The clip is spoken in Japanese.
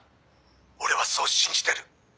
「俺はそう信じてる」